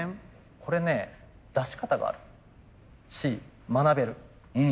これね出し方があるし学べる。